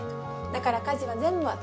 だから家事は全部私。